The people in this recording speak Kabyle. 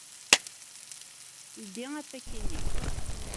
Ldi apaki-nni.